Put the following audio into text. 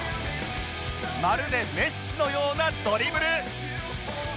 まるでメッシのようなドリブル